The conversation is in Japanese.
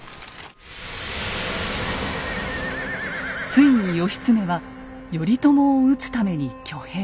ついに義経は頼朝を討つために挙兵。